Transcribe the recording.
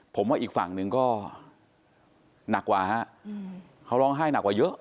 ผมว่าอีกฝั่งหนึ่งก็หนักกว่าฮะเขาร้องไห้หนักกว่าเยอะ